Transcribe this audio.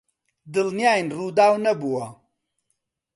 دڵنیاین ڕووداو نەبووە.